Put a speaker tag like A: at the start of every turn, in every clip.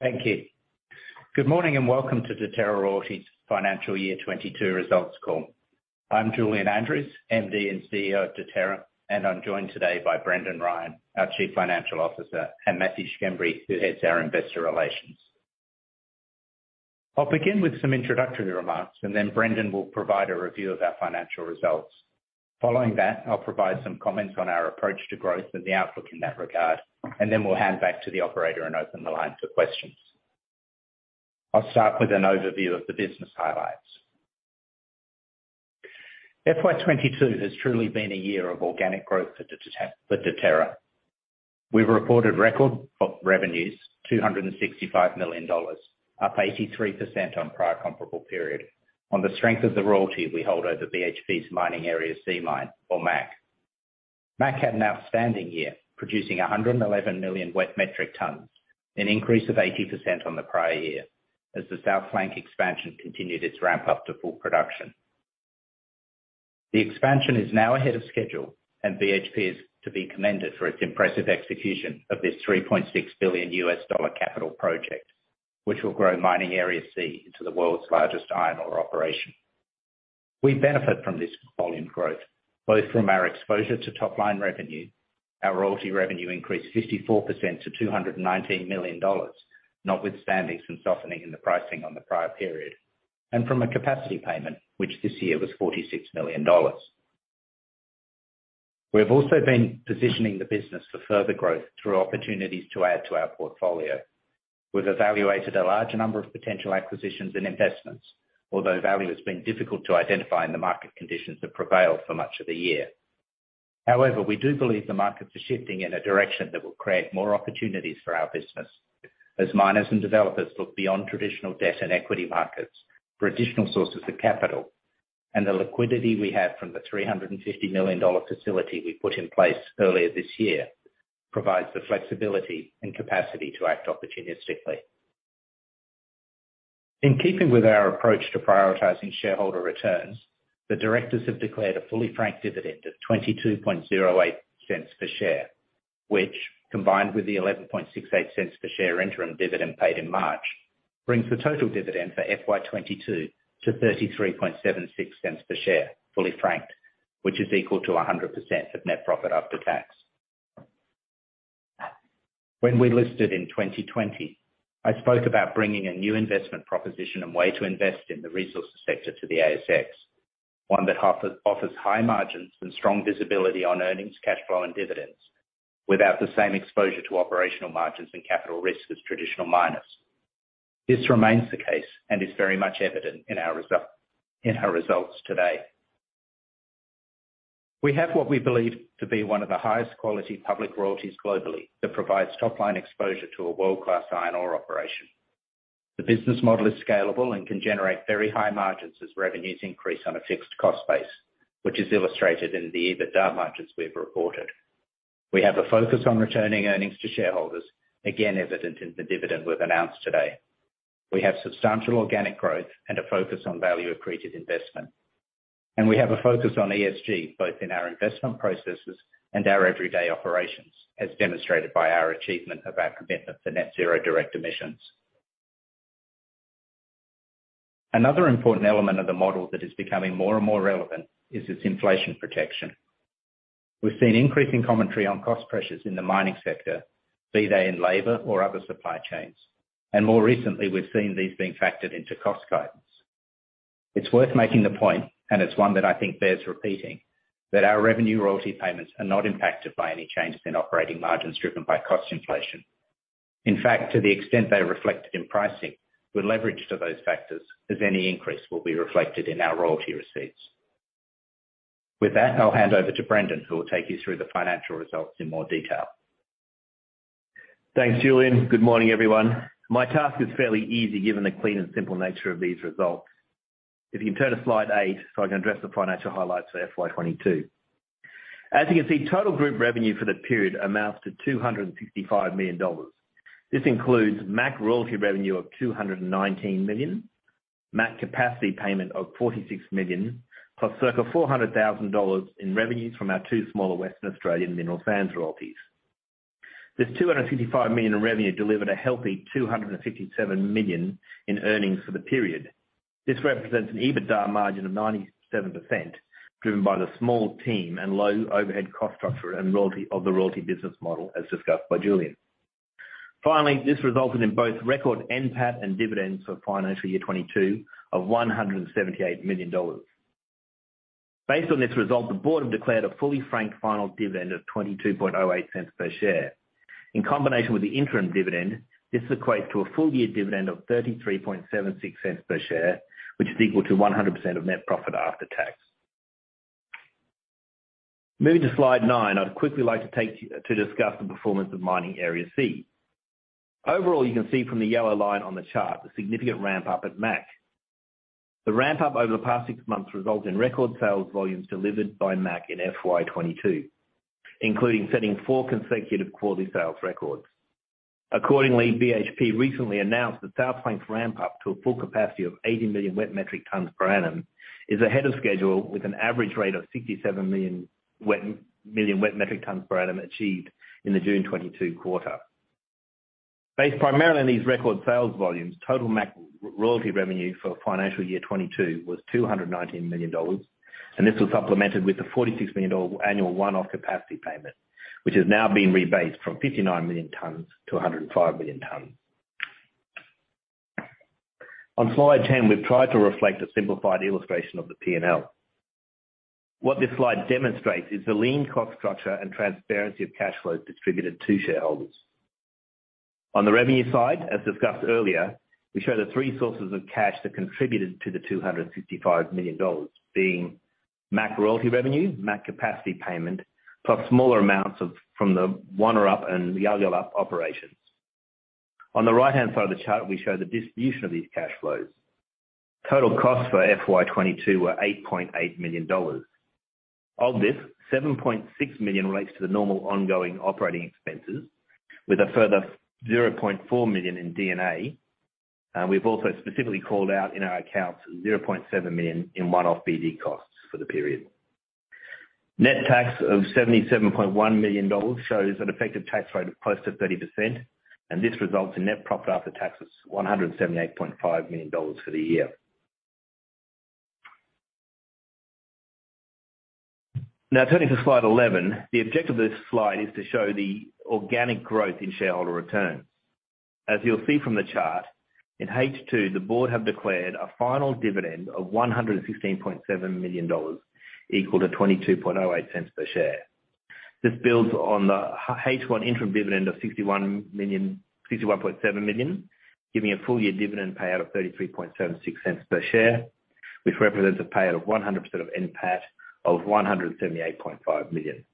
A: Thank you. Good morning, and welcome to Deterra Royalties' financial year 2022 results call. I'm Julian Andrews, MD and CEO of Deterra, and I'm joined today by Brendan Ryan, our chief financial officer, and Matthew Schembri, who heads our investor relations. I'll begin with some introductory remarks, and then Brendan will provide a review of our financial results. Following that, I'll provide some comments on our approach to growth and the outlook in that regard, and then we'll hand back to the operator and open the line for questions. I'll start with an overview of the business highlights. FY 2022 has truly been a year of organic growth for Deterra. We've reported record revenues, 265 million dollars, up 83% on prior comparable period, on the strength of the royalty we hold over BHP's Mining Area C mine, or MAC. MAC had an outstanding year, producing 111 million wet metric tons, an increase of 80% on the prior year, as the South Flank expansion continued its ramp up to full production. The expansion is now ahead of schedule, and BHP is to be commended for its impressive execution of this $3.6 billion U.S. dollar capital project, which will grow Mining Area C into the world's largest iron ore operation. We benefit from this volume growth, both from our exposure to top-line revenue, our royalty revenue increased 54% to 219 million dollars, notwithstanding some softening in the pricing on the prior period, and from a capacity payment, which this year was 46 million dollars. We have also been positioning the business for further growth through opportunities to add to our portfolio. We've evaluated a large number of potential acquisitions and investments, although value has been difficult to identify in the market conditions that prevailed for much of the year. However, we do believe the markets are shifting in a direction that will create more opportunities for our business as miners and developers look beyond traditional debt and equity markets for additional sources of capital. The liquidity we have from the 350 million dollar facility we put in place earlier this year provides the flexibility and capacity to act opportunistically. In keeping with our approach to prioritizing shareholder returns, the directors have declared a fully franked dividend of 0.2208 per share, which, combined with the 0.1168 per share interim dividend paid in March, brings the total dividend for FY2022 to 0.3376 per share, fully franked, which is equal to 100% of net profit after tax. When we listed in 2020, I spoke about bringing a new investment proposition and way to invest in the resources sector to the ASX, one that offers high margins and strong visibility on earnings, cash flow, and dividends without the same exposure to operational margins and capital risk as traditional miners. This remains the case and is very much evident in our results today. We have what we believe to be one of the highest quality public royalties globally that provides top-line exposure to a world-class iron ore operation. The business model is scalable and can generate very high margins as revenues increase on a fixed cost base, which is illustrated in the EBITDA margins we've reported. We have a focus on returning earnings to shareholders, again evident in the dividend we've announced today. We have substantial organic growth and a focus on value-accretive investment, and we have a focus on ESG, both in our investment processes and our everyday operations, as demonstrated by our achievement of our commitment to net zero direct emissions. Another important element of the model that is becoming more and more relevant is its inflation protection. We've seen increasing commentary on cost pressures in the mining sector, be they in labor or other supply chains. More recently, we've seen these being factored into cost guidance. It's worth making the point, and it's one that I think bears repeating, that our revenue royalty payments are not impacted by any changes in operating margins driven by cost inflation. In fact, to the extent they are reflected in pricing, we're leveraged to those factors as any increase will be reflected in our royalty receipts. With that, I'll hand over to Brendan, who will take you through the financial results in more detail.
B: Thanks, Julian. Good morning, everyone. My task is fairly easy given the clean and simple nature of these results. If you can turn to slide 8 so I can address the financial highlights for FY 2022. As you can see, total group revenue for the period amounts to 265 million dollars. This includes MAC royalty revenue of 219 million, MAC capacity payment of 46 million, plus circa 400 thousand dollars in revenues from our two smaller Western Australian mineral sands royalties. This 265 million in revenue delivered a healthy 257 million in earnings for the period. This represents an EBITDA margin of 97%, driven by the small team and low overhead cost structure of the royalty business model, as discussed by Julian. Finally, this resulted in both record NPAT and dividends for financial year 2022 of 178 million dollars. Based on this result, the board have declared a fully franked final dividend of 0.2208 per share. In combination with the interim dividend, this equates to a full year dividend of 0.3376 per share, which is equal to 100% of net profit after tax. Moving to slide 9, I'd quickly like to discuss the performance of Mining Area C. Overall, you can see from the yellow line on the chart the significant ramp up at MAC. The ramp up over the past six months result in record sales volumes delivered by MAC in FY 2022, including setting four consecutive quarterly sales records. Accordingly, BHP recently announced that South Flank's ramp up to a full capacity of 80 million wet metric tons per annum is ahead of schedule with an average rate of 67 million wet metric tons per annum achieved in the June 2022 quarter. Based primarily on these record sales volumes, total MAC royalty revenue for financial year 2022 was 219 million dollars, and this was supplemented with the 46 million dollar annual one-off capacity payment, which is now being rebased from 59 million tons to 105 million tons. On slide 10, we've tried to reflect a simplified illustration of the P&L. What this slide demonstrates is the lean cost structure and transparency of cash flows distributed to shareholders. On the revenue side, as discussed earlier, we show the three sources of cash that contributed to the 265 million dollars being MAC royalty revenue, MAC capacity payment, plus smaller amounts from the Wonnerup and Yalyalup operations. On the right-hand side of the chart, we show the distribution of these cash flows. Total costs for FY 2022 were 8.8 million dollars. Of this, 7.6 million relates to the normal ongoing operating expenses with a further 0.4 million in D&A. We've also specifically called out in our accounts 0.7 million in one-off BD costs for the period. Net tax of 77.1 million dollars shows an effective tax rate of close to 30%, and this results in net profit after taxes, 178.5 million dollars for the year. Now turning to slide 11. The objective of this slide is to show the organic growth in shareholder returns. As you'll see from the chart, in H2, the board have declared a final dividend of 116.7 million dollars equal to 0.2208 per share. This builds on the H1 interim dividend of 61.7 million, giving a full year dividend payout of 0.3376 per share, which represents a payout of 100% of NPAT of 178.5 million.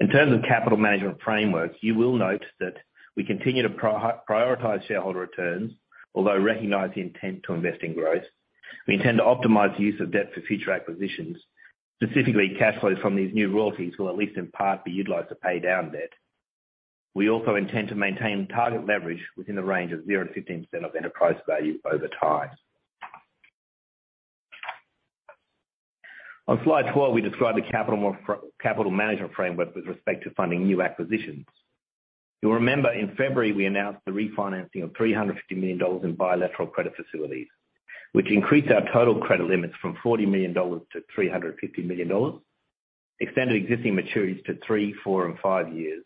B: In terms of capital management framework, you will note that we continue to prioritize shareholder returns, although recognize the intent to invest in growth. We intend to optimize the use of debt for future acquisitions. Specifically, cash flows from these new royalties will at least in part be utilized to pay down debt. We also intend to maintain target leverage within the range of 0%-15% of enterprise value over time. On slide 12, we describe the capital management framework with respect to funding new acquisitions. You'll remember in February, we announced the refinancing of 350 million dollars in bilateral credit facilities, which increased our total credit limits from 40 million dollars to 350 million dollars, extended existing maturities to three, four, and five years,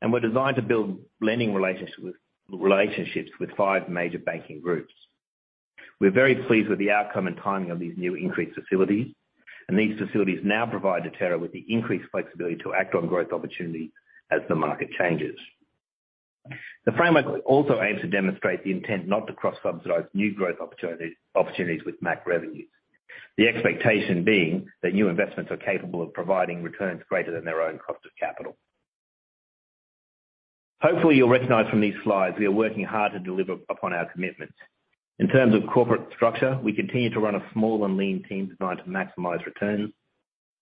B: and were designed to build lending relationships with five major banking groups. We're very pleased with the outcome and timing of these new increased facilities, and these facilities now provide Deterra with the increased flexibility to act on growth opportunities as the market changes. The framework also aims to demonstrate the intent not to cross-subsidize new growth opportunities with MAC revenues. The expectation being that new investments are capable of providing returns greater than their own cost of capital. Hopefully, you'll recognize from these slides we are working hard to deliver upon our commitments. In terms of corporate structure, we continue to run a small and lean team designed to maximize returns.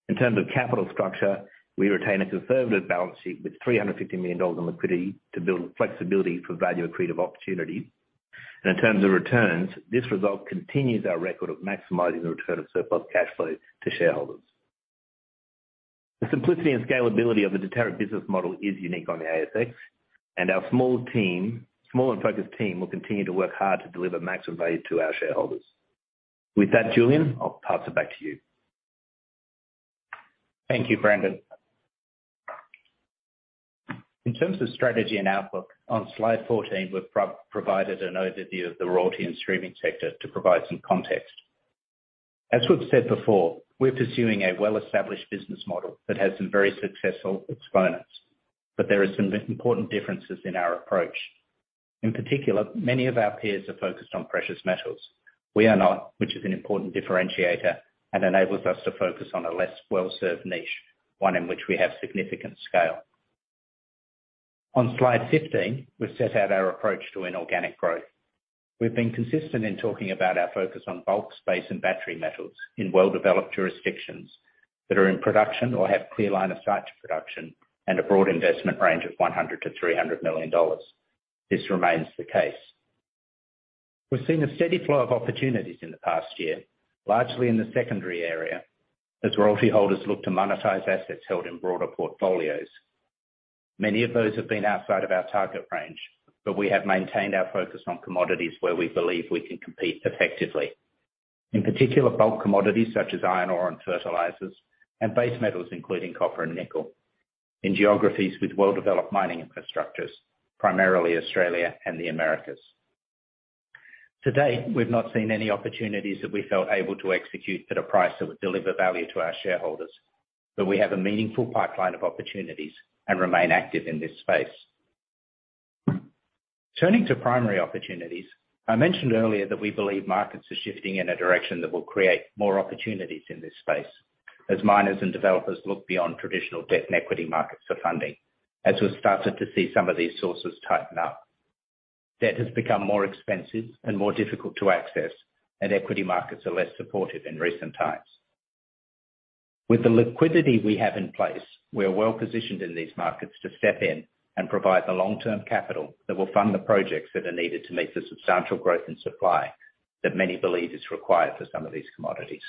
B: In terms of capital structure, we retain a conservative balance sheet with 350 million dollars in liquidity to build flexibility for value accretive opportunities. In terms of returns, this result continues our record of maximizing the return of surplus cash flows to shareholders. The simplicity and scalability of the Deterra business model is unique on the ASX, and our small team, small and focused team will continue to work hard to deliver maximum value to our shareholders. With that, Julian, I'll pass it back to you.
A: Thank you, Brendan. In terms of strategy and outlook, on slide 14, we've provided an overview of the royalty and streaming sector to provide some context. We've said before, we're pursuing a well-established business model that has some very successful examples, but there are some important differences in our approach. In particular, many of our peers are focused on precious metals. We are not, which is an important differentiator and enables us to focus on a less well-served niche, one in which we have significant scale. On slide fifteen, we've set out our approach to inorganic growth. We've been consistent in talking about our focus on bulk, base, and battery metals in well-developed jurisdictions that are in production or have clear line of sight to production and a broad investment range of 100 million-300 million dollars. This remains the case. We've seen a steady flow of opportunities in the past year, largely in the secondary area, as royalty holders look to monetize assets held in broader portfolios. Many of those have been outside of our target range, but we have maintained our focus on commodities where we believe we can compete effectively. In particular, bulk commodities such as iron ore and fertilizers and base metals, including copper and nickel, in geographies with well-developed mining infrastructures, primarily Australia and the Americas. To date, we've not seen any opportunities that we felt able to execute at a price that would deliver value to our shareholders, but we have a meaningful pipeline of opportunities and remain active in this space. Turning to primary opportunities, I mentioned earlier that we believe markets are shifting in a direction that will create more opportunities in this space as miners and developers look beyond traditional debt and equity markets for funding, as we've started to see some of these sources tighten up. Debt has become more expensive and more difficult to access, and equity markets are less supportive in recent times. With the liquidity we have in place, we are well-positioned in these markets to step in and provide the long-term capital that will fund the projects that are needed to meet the substantial growth and supply that many believe is required for some of these commodities.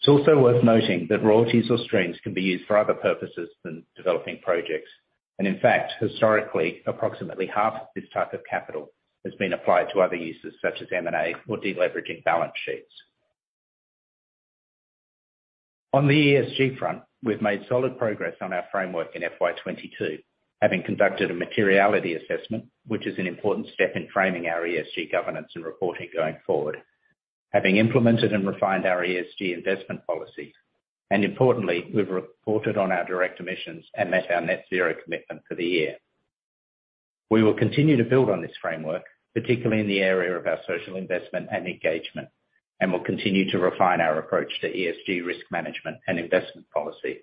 A: It's also worth noting that royalties or streams can be used for other purposes than developing projects, and in fact, historically approximately half of this type of capital has been applied to other uses such as M&A or deleveraging balance sheets. On the ESG front, we've made solid progress on our framework in FY 2022, having conducted a materiality assessment, which is an important step in framing our ESG governance and reporting going forward. Having implemented and refined our ESG investment policies, and importantly, we've reported on our direct emissions and met our net zero commitment for the year. We will continue to build on this framework, particularly in the area of our social investment and engagement, and we'll continue to refine our approach to ESG risk management and investment policy.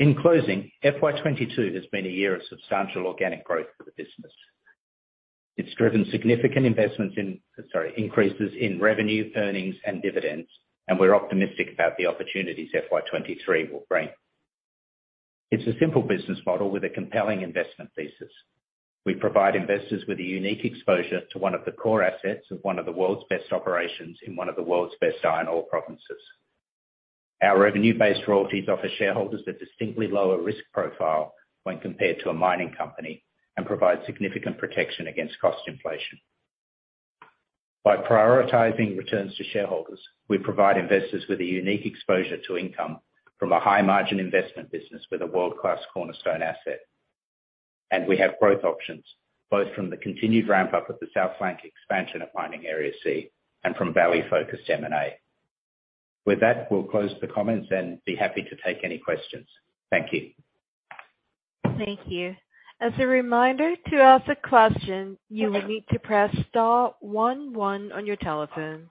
A: In closing, FY 2022 has been a year of substantial organic growth for the business. It's driven increases in revenue, earnings and dividends, and we're optimistic about the opportunities FY 2023 will bring. It's a simple business model with a compelling investment thesis. We provide investors with a unique exposure to one of the core assets of one of the world's best operations in one of the world's best iron ore provinces. Our revenue-based royalties offer shareholders a distinctly lower risk profile when compared to a mining company and provide significant protection against cost inflation. By prioritizing returns to shareholders, we provide investors with a unique exposure to income from a high margin investment business with a world-class cornerstone asset. We have growth options, both from the continued ramp-up of the South Flank expansion of Mining Area C and from value focused M&A. With that, we'll close the comments and be happy to take any questions. Thank you.
C: Thank you. As a reminder, to ask a question, you will need to press star one one on your telephone.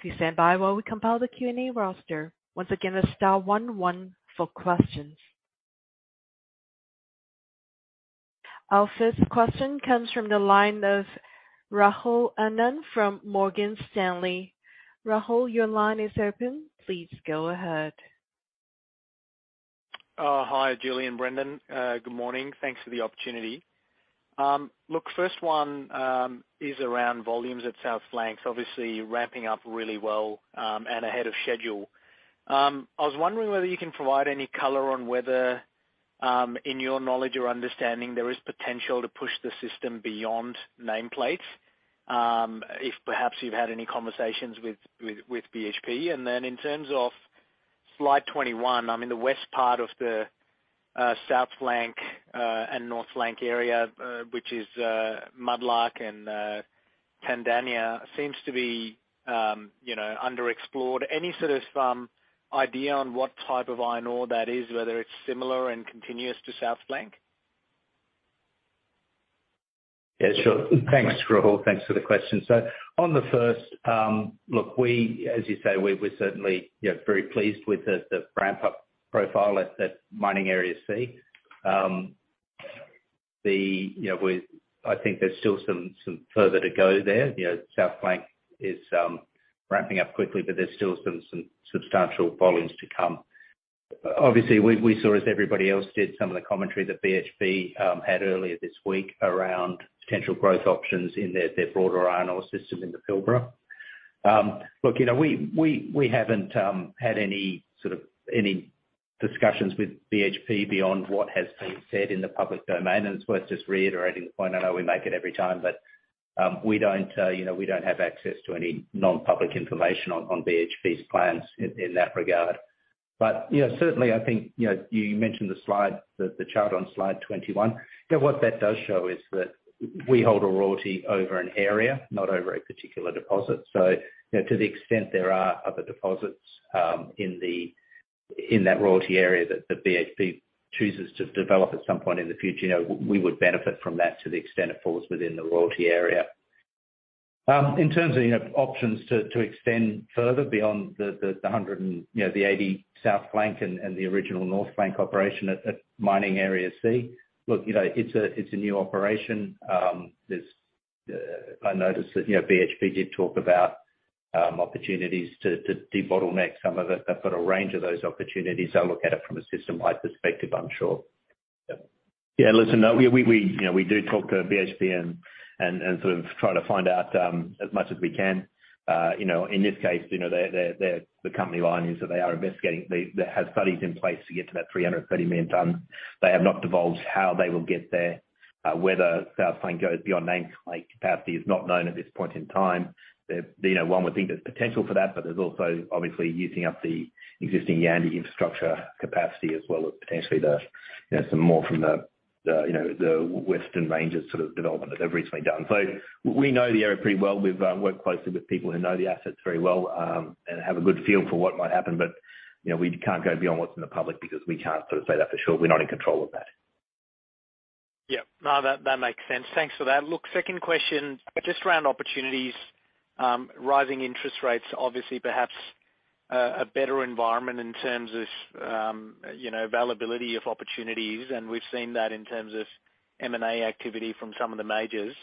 C: Please stand by while we compile the Q&A roster. Once again, that's star one one for questions. Our first question comes from the line of Rahul Anand from Morgan Stanley. Rahul, your line is open. Please go ahead.
D: Hi, Juli and Brendan. Good morning. Thanks for the opportunity. Look, first one is around volumes at South Flank, obviously ramping up really well, and ahead of schedule. I was wondering whether you can provide any color on whether, in your knowledge or understanding, there is potential to push the system beyond nameplates, if perhaps you've had any conversations with BHP. Then in terms of slide 21, I mean, the west part of the South Flank and North Flank area, which is Mudlark and Tandania seems to be, you know, underexplored. Any sort of idea on what type of iron ore that is, whether it's similar and continuous to South Flank?
A: Yeah, sure. Thanks, Rahul. Thanks for the question. On the first, look, we, as you say, we're certainly, you know, very pleased with the ramp-up profile at Mining Area C. You know, I think there's still some further to go there. You know, South Flank is ramping up quickly, but there's still some substantial volumes to come. Obviously, we saw, as everybody else did, some of the commentary that BHP had earlier this week around potential growth options in their broader iron ore systems in the Pilbara. Look, you know, we haven't had any sort of discussions with BHP beyond what has been said in the public domain, and it's worth just reiterating the point. I know we make it every time, but we don't, you know, have access to any non-public information on BHP's plans in that regard. You know, certainly I think, you know, you mentioned the slide, the chart on slide 21. You know, what that does show is that we hold a royalty over an area, not over a particular deposit. You know, to the extent there are other deposits in that royalty area that the BHP chooses to develop at some point in the future, you know, we would benefit from that to the extent it falls within the royalty area. In terms of, you know, options to extend further beyond the 100 and, you know, the 80 South Flank and the original North Flank operation at Mining Area C, look, you know, it's a new operation. I noticed that, you know, BHP did talk about opportunities to debottleneck some of it. They've got a range of those opportunities. They'll look at it from a system-wide perspective, I'm sure. Yeah. Yeah. Listen, no, we, you know, we do talk to BHP and sort of try to find out as much as we can. You know, in this case, you know, their the company line is that they are investigating. They have studies in place to get to that 300 million tons. They have not divulged how they will get there. Whether South Flank goes beyond nameplate capacity is not known at this point in time. You know, one would think there's potential for that, but there's also obviously using up the existing Yandi infrastructure capacity as well as potentially you know some more from the western ranges sort of development that they've recently done. We know the area pretty well. We've worked closely with people who know the assets very well and have a good feel for what might happen. You know, we can't go beyond what's in the public because we can't sort of say that for sure. We're not in control of that.
D: Yeah. No, that makes sense. Thanks for that. Look, second question, just around opportunities, rising interest rates, obviously perhaps a better environment in terms of, you know, availability of opportunities, and we've seen that in terms of M&A activity from some of the majors.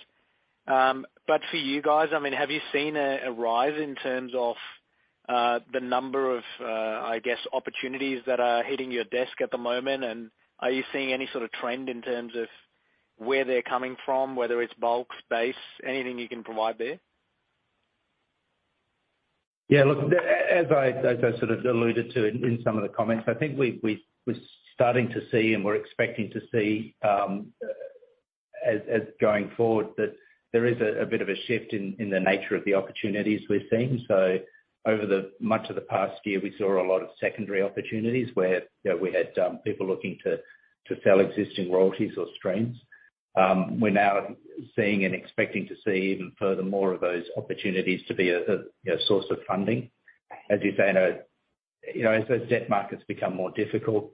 D: But for you guys, I mean, have you seen a rise in terms of the number of, I guess, opportunities that are hitting your desk at the moment? And are you seeing any sort of trend in terms of- Where they're coming from, whether it's bulk, base, anything you can provide there?
A: Yeah, look, as I sort of alluded to in some of the comments, I think we're starting to see and we're expecting to see, as going forward, that there is a bit of a shift in the nature of the opportunities we're seeing. Over much of the past year, we saw a lot of secondary opportunities where, you know, we had people looking to sell existing royalties or streams. We're now seeing and expecting to see even furthermore of those opportunities to be a, you know, source of funding. As you say, I know, you know, as those debt markets become more difficult,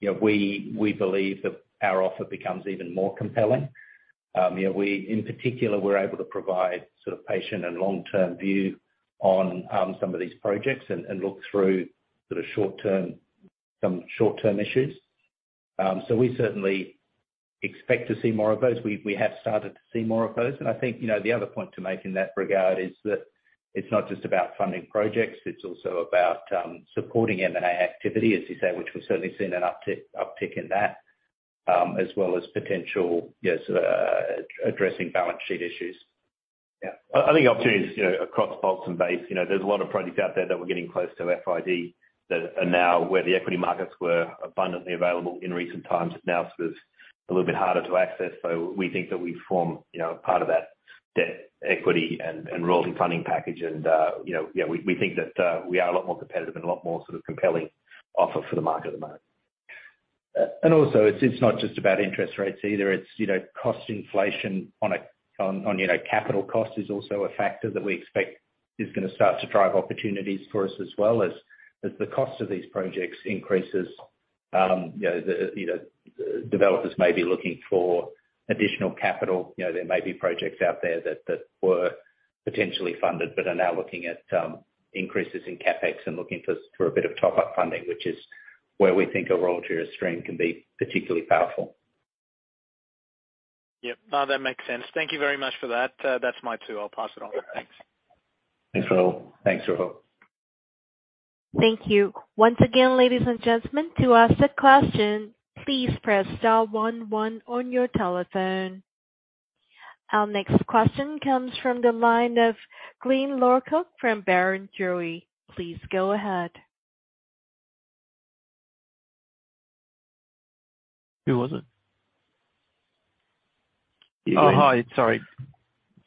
A: you know, we believe that our offer becomes even more compelling. You know, we in particular are able to provide sort of patient and long-term view on some of these projects and look through sort of short-term issues. We certainly expect to see more of those. We have started to see more of those. I think, you know, the other point to make in that regard is that it's not just about funding projects, it's also about supporting M&A activity, as you say, which we've certainly seen an uptick in that, as well as potential addressing balance sheet issues.
B: Yeah. I think opportunities, you know, across bulks and base, you know, there's a lot of projects out there that we're getting close to FID that are now where the equity markets were abundantly available in recent times, but now sort of a little bit harder to access. We think that we form, you know, part of that debt, equity and royalty funding package and, you know, we think that we are a lot more competitive and a lot more sort of compelling offer for the market at the moment.
A: It's not just about interest rates either. It's you know, cost inflation on capital cost is also a factor that we expect is gonna start to drive opportunities for us as well. As the cost of these projects increases, you know, developers may be looking for additional capital. You know, there may be projects out there that were potentially funded but are now looking at increases in CapEx and looking for a bit of top-up funding, which is where we think a royalty or stream can be particularly powerful.
D: Yep. No, that makes sense. Thank you very much for that. That's my two. I'll pass it on. Thanks.
A: Thanks, Rahul Anand.
B: Thanks, Rahul.
C: Thank you. Once again, ladies and gentlemen, to ask a question, please press star one one on your telephone. Our next question comes from the line of Glyn Lawcock from Barrenjoey. Please go ahead.
A: Who was it?
E: Oh, hi. Sorry.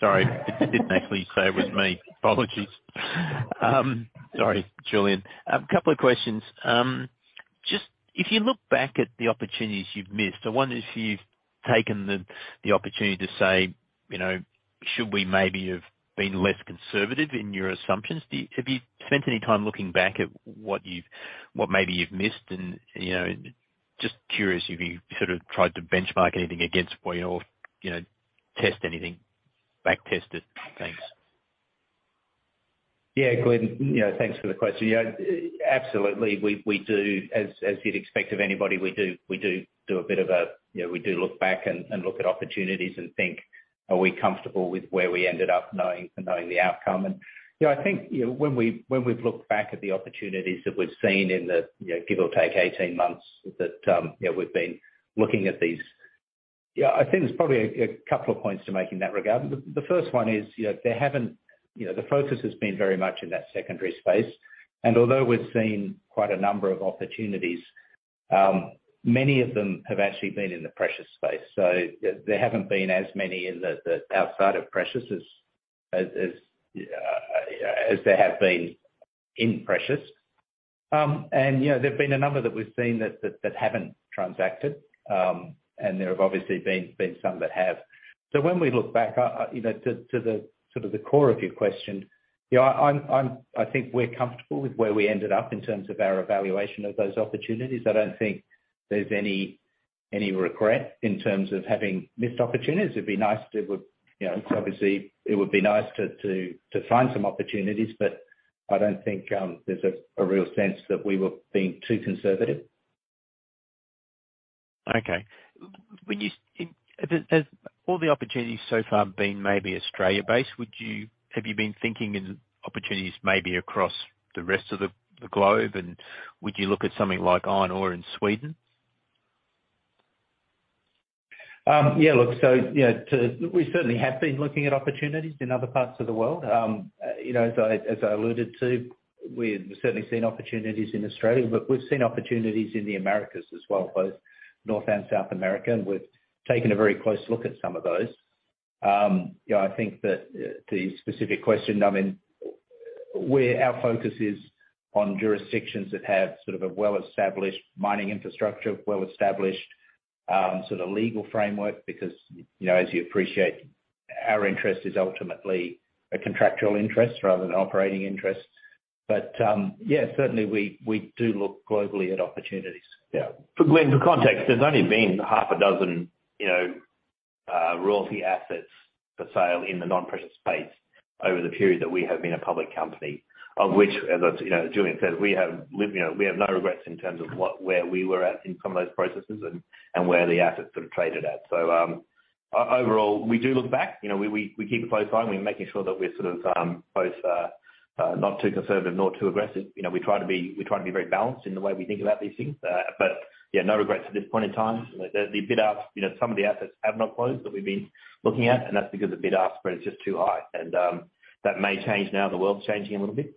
E: I didn't actually say it was me. Apologies. Sorry. Julian. A couple of questions. Just if you look back at the opportunities you've missed, I wonder if you've taken the opportunity to say, you know, should we maybe have been less conservative in your assumptions? Have you spent any time looking back at what maybe you've missed? You know, just curious if you sort of tried to benchmark anything against or, you know, test anything, back test it. Thanks.
A: Yeah. Glyn, you know, thanks for the question. Yeah, absolutely, we do, as you'd expect of anybody, we do a bit of a, you know, we do look back and look at opportunities and think, are we comfortable with where we ended up knowing the outcome? You know, I think, you know, when we've looked back at the opportunities that we've seen in the, you know, give or take 18 months that, you know, we've been looking at these. Yeah, I think there's probably a couple of points to make in that regard. The first one is, you know, there haven't, you know, the focus has been very much in that secondary space. Although we've seen quite a number of opportunities, many of them have actually been in the precious space. There haven't been as many in the outside of precious as there have been in precious. You know, there's been a number that we've seen that haven't transacted, and there have obviously been some that have. When we look back, you know, to the sort of the core of your question. You know, I think we're comfortable with where we ended up in terms of our evaluation of those opportunities. I don't think there's any regret in terms of having missed opportunities. It'd be nice to, you know, obviously it would be nice to find some opportunities, but I don't think there's a real sense that we were being too conservative.
E: Okay. Has all the opportunities so far been maybe Australia-based? Have you been thinking of opportunities maybe across the rest of the globe, and would you look at something like iron ore in Sweden?
A: We certainly have been looking at opportunities in other parts of the world. You know, as I alluded to, we've certainly seen opportunities in Australia, but we've seen opportunities in the Americas as well, both North and South America, and we've taken a very close look at some of those. You know, I think that the specific question, I mean, where our focus is on jurisdictions that have sort of a well-established mining infrastructure, well-established sort of legal framework, because, you know, as you appreciate, our interest is ultimately a contractual interest rather than operating interest. Yeah, certainly we do look globally at opportunities.
B: Yeah. For Glyn, for context, there's only been half a dozen, you know, royalty assets for sale in the non-precious space over the period that we have been a public company, of which, as you know, Julian said, we have no regrets in terms of what, where we were at in some of those processes and where the assets sort of traded at.
A: Overall, we do look back, you know, we keep a close eye on making sure that we're sort of both not too conservative nor too aggressive. You know, we try to be very balanced in the way we think about these things. Yeah, no regrets at this point in time. The bid-ask, you know, some of the assets have not closed that we've been looking at, and that's because the bid-ask spread is just too high. That may change now, the world's changing a little bit.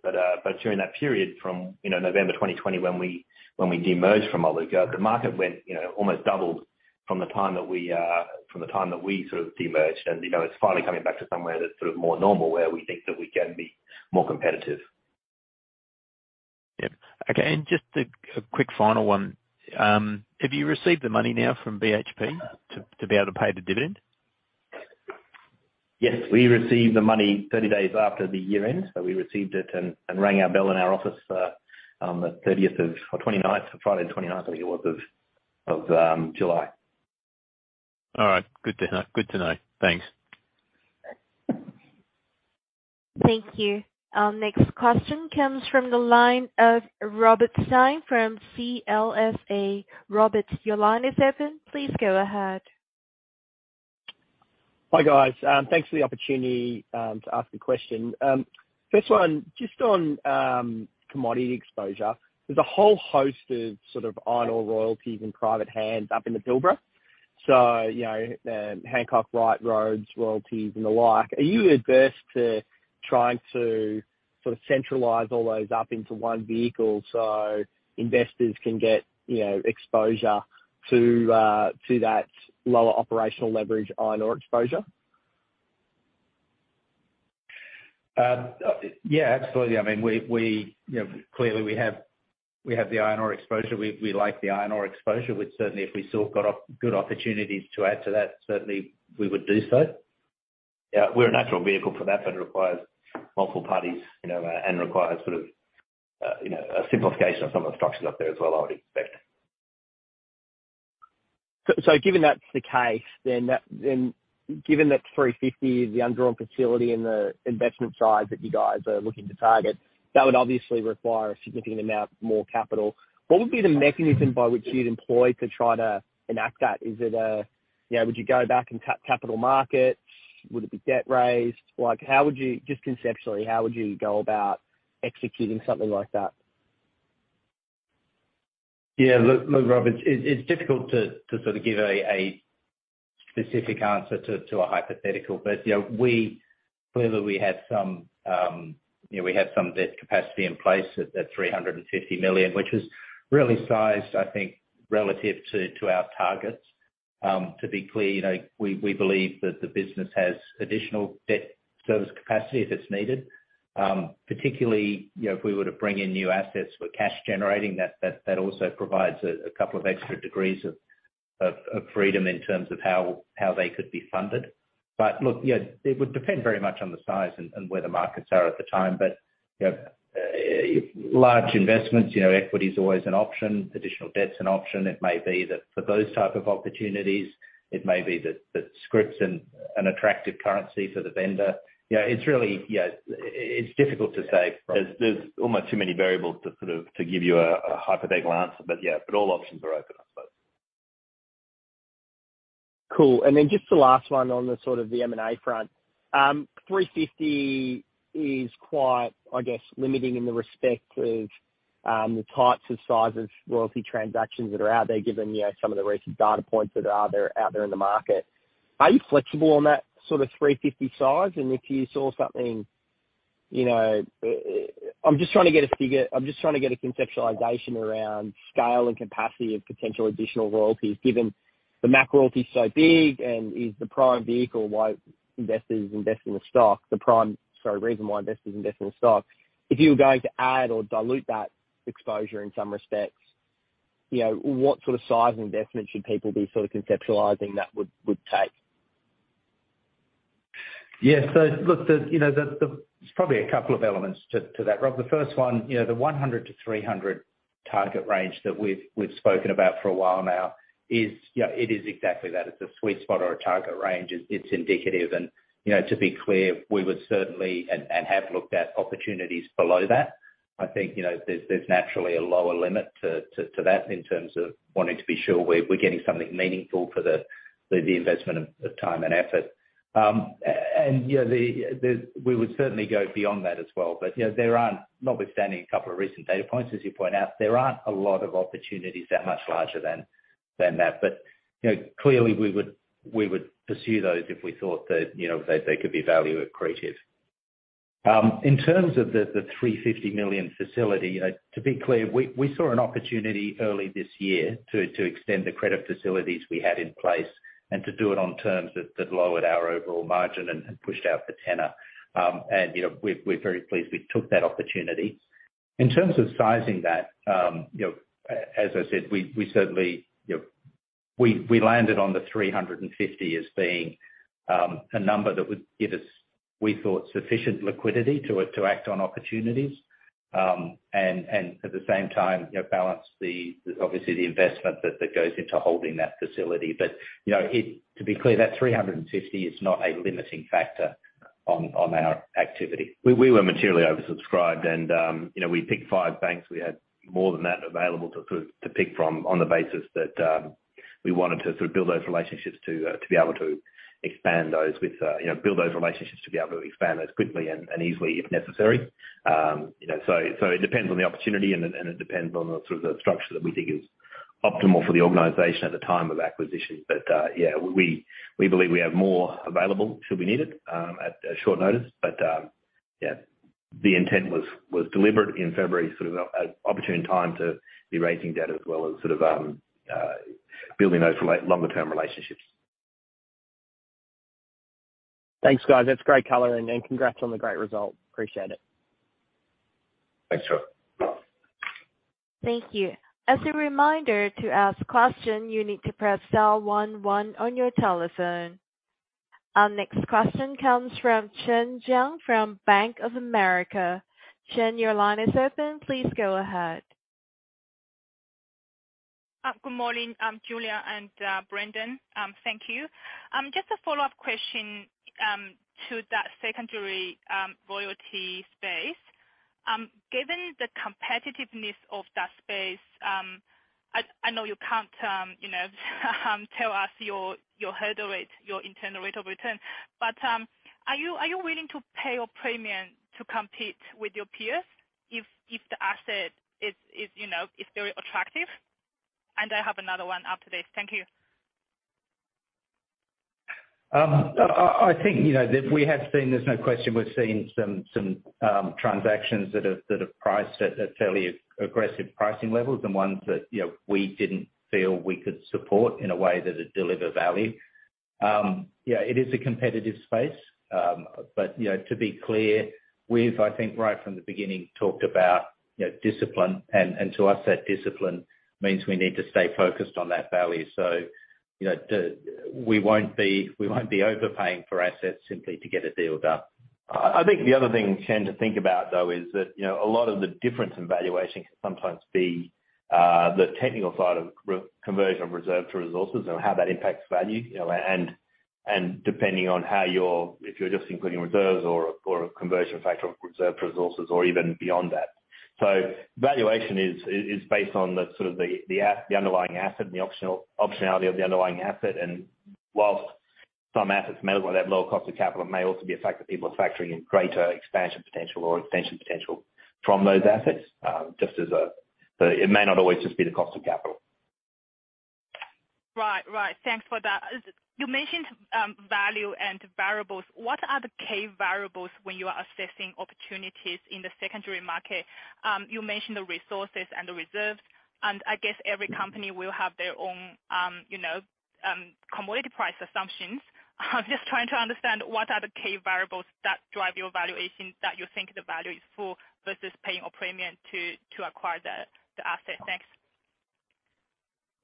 A: During that period from, you know, November 2020 when we de-merged from Iluka, the market went, you know, almost doubled from the time that we sort of de-merged. You know, it's finally coming back to somewhere that's sort of more normal, where we think that we can be more competitive.
E: Yep. Okay. Just a quick final one. Have you received the money now from BHP to be able to pay the dividend?
A: Yes, we received the money 30 days after the year end. We received it and rang our bell in our office on the 30th or 29th, Friday the 29th, I think it was, of July.
E: All right. Good to know. Thanks.
C: Thank you. Our next question comes from the line of Robert Stein from CLSA. Robert, your line is open. Please go ahead.
F: Hi, guys. Thanks for the opportunity to ask a question. First one, just on commodity exposure. There's a whole host of sort of iron ore royalties in private hands up in the Pilbara. You know, Hancock Prospecting, Wright Prospecting, Rhodes Ridge royalties and the like. Are you averse to trying to sort of centralize all those up into one vehicle so investors can get, you know, exposure to that lower operational leverage iron ore exposure?
A: Yeah, absolutely. I mean, you know, clearly we have the iron ore exposure. We like the iron ore exposure, which certainly if we still got good opportunities to add to that, certainly we would do so. Yeah, we're a natural vehicle for that, but it requires multiple parties, you know, and requires sort of a simplification of some of the structures up there as well, I would expect.
F: Given that's the case, then that and given that 350 is the undrawn facility and the investment size that you guys are looking to target, that would obviously require a significant amount more capital. What would be the mechanism by which you'd employ to try to enact that? Is it a, you know, would you go back and tap capital markets? Would it be debt raised? Like how would you, just conceptually, how would you go about executing something like that?
A: Yeah. Look, Robert, it's difficult to sort of give a specific answer to a hypothetical. You know, we clearly have some debt capacity in place at 350 million, which was really sized, I think, relative to our targets. To be clear, you know, we believe that the business has additional debt service capacity if it's needed. Particularly, you know, if we were to bring in new assets for cash generating that also provides a couple of extra degrees of freedom in terms of how they could be funded. Look, you know, it would depend very much on the size and where the markets are at the time. You know, large investments, you know, equity is always an option. Additional debt is an option. It may be that for those type of opportunities, it may be that scrip is an attractive currency for the vendor. You know, it's really, you know, it's difficult to say. There's almost too many variables to give you a hypothetical answer. Yeah, all options are open, I suppose.
F: Cool. Just the last one on the sort of M&A front. 350 is quite, I guess, limiting in respect of the types of size of royalty transactions that are out there, given, you know, some of the recent data points that are out there in the market. Are you flexible on that sort of 350 size? If you saw something, you know, I'm just trying to get a conceptualization around scale and capacity of potential additional royalties, given the MAC royalty is so big and is the prime reason why investors invest in the stock. If you were going to add or dilute that exposure in some respects, you know, what sort of size investment should people be sort of conceptualizing that would take?
A: Yeah. Look, you know, there's probably a couple of elements to that, Rob. The first one, you know, the 100-300 target range that we've spoken about for a while now is, you know, it is exactly that. It's a sweet spot or a target range. It's indicative. You know, to be clear, we would certainly have looked at opportunities below that. I think, you know, there's naturally a lower limit to that in terms of wanting to be sure we're getting something meaningful for the investment of time and effort. You know, we would certainly go beyond that as well. You know, there aren't, notwithstanding a couple of recent data points, as you point out, there aren't a lot of opportunities that much larger than that. You know, clearly we would pursue those if we thought that, you know, they could be value accretive. In terms of the 350 million facility, you know, to be clear, we saw an opportunity early this year to extend the credit facilities we had in place and to do it on terms that lowered our overall margin and pushed out the tenor. And you know, we're very pleased we took that opportunity. In terms of sizing that, you know, as I said, we certainly, you know, we landed on 350 as being a number that would give us, we thought, sufficient liquidity to act on opportunities. At the same time, you know, balance, obviously, the investment that goes into holding that facility. To be clear, you know, that 350 is not a limiting factor on our activity.
B: We were materially oversubscribed and, you know, we picked five banks. We had more than that available to pick from on the basis that we wanted to sort of build those relationships to be able to expand those quickly and easily if necessary. You know, it depends on the opportunity and it depends on the sort of structure that we think is optimal for the organization at the time of acquisition. We believe we have more available should we need it at short notice. The intent was deliberate in February, sort of an opportune time to be raising debt as well as sort of building those longer-term relationships.
F: Thanks, guys. That's great color and congrats on the great result. Appreciate it.
B: Thanks, Robert Stein.
C: Thank you. As a reminder, to ask question, you need to press star one one on your telephone. Our next question comes from Chen Jiang from Bank of America. Chen, your line is open. Please go ahead.
G: Good morning, Julian and Brendan. Thank you. Just a follow-up question to that secondary royalty space. Given the competitiveness of that space, I know you can't, you know, tell us your hurdle rate, your internal rate of return, but are you willing to pay a premium to compete with your peers if the asset is, you know, very attractive? I have another one after this. Thank you.
A: I think, you know, that we have seen, there's no question we've seen some transactions that have priced at fairly aggressive pricing levels and ones that, you know, we didn't feel we could support in a way that it delivered value. Yeah, it is a competitive space. To be clear, we've, I think right from the beginning, talked about, you know, discipline and to us, that discipline means we need to stay focused on that value. We won't be overpaying for assets simply to get a deal done.
B: I think the other thing, Chen, to think about though is that, you know, a lot of the difference in valuation can sometimes be the technical side of conversion of reserves and resources and how that impacts value, you know, and depending on how you're, if you're just including reserves or a conversion factor of reserves and resources or even beyond that. Valuation is based on sort of the underlying asset and the optionality of the underlying asset. While some assets may well have lower cost of capital, it may also be a factor people are factoring in greater expansion potential or extension potential from those assets. It may not always just be the cost of capital.
G: Right. Thanks for that. You mentioned value and variables. What are the key variables when you are assessing opportunities in the secondary market? You mentioned the resources and the reserves, and I guess every company will have their own, you know, commodity price assumptions. I'm just trying to understand what are the key variables that drive your valuation, that you think the value is for versus paying a premium to acquire the asset? Thanks.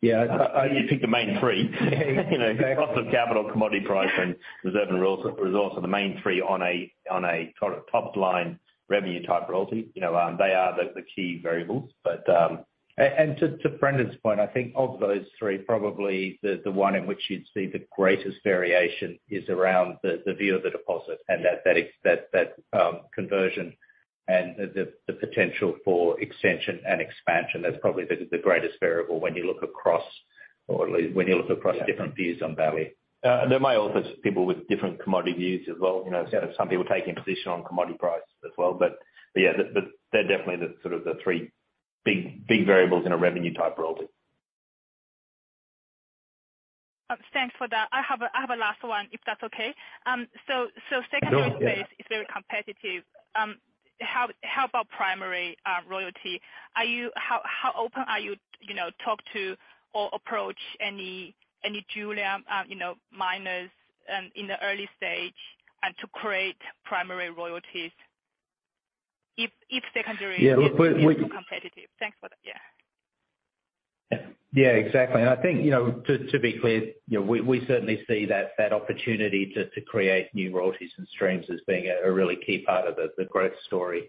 B: Yeah.
A: You pick the main three. You know, cost of capital, commodity price, and reserve resource are the main three on a sort of top-line revenue type royalty. You know, they are the key variables.
B: To Brendan's point, I think of those three, probably the one in which you'd see the greatest variation is around the view of the deposit and that conversion and the potential for extension and expansion. That's probably the greatest variable when you look across, or at least when you look across different views on value.
A: There may also just people with different commodity views as well, you know.
B: Yeah.
A: Some people taking position on commodity prices as well. Yeah, they're definitely the sort of the three big variables in a revenue type royalty.
G: Thanks for that. I have a last one, if that's okay. Secondary-
B: Sure, yeah.
G: space is very competitive. How about primary royalty? How open are you know, talk to or approach any junior miners in the early stage and to create primary royalties if secondary-
B: Yeah, look, we
G: Is more competitive? Thanks for that. Yeah.
A: Yeah, exactly. I think, you know, to be clear, you know, we certainly see that opportunity to create new royalties and streams as being a really key part of the growth story.